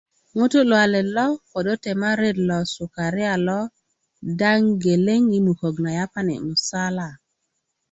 ŋutu' luwalet lo ködö tema ret lo sukariya lo daŋ geleŋ yi mukökök na yapani musala